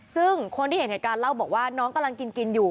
ซึ่งคนที่เห็นเหตุการณ์เล่าบอกว่าน้องกำลังกินอยู่